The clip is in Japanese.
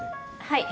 はい。